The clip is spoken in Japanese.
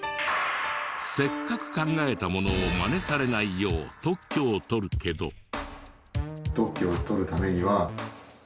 せっかく考えたものをマネされないよう特許を取るけど。